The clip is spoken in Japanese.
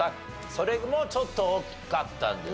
それもちょっと大きかったんですね